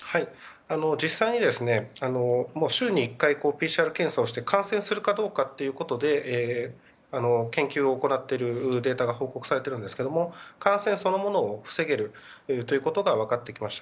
実際に、週に１回ＰＣＲ検査をして感染するかどうかということで研究を行っているデータが報告されているんですけれども感染そのものを防げるということが分かってきました。